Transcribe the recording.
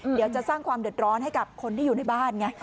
เดี๋ยวจะสร้างความเดือดร้อนให้กับคนที่อยู่ในบ้านไง